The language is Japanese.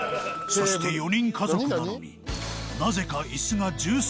そして４人家族なのになぜか